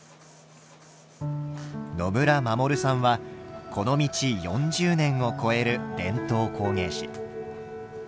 野村守さんはこの道４０年を超える伝統工芸士。